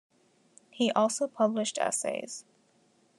He also published essays.